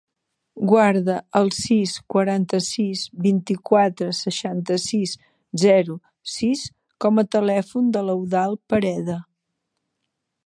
Guarda el sis, quaranta-sis, vint-i-quatre, seixanta-sis, zero, sis com a telèfon de l'Eudald Pereda.